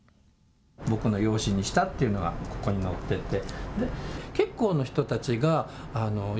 僕の養子にしたというのがここに載ってて。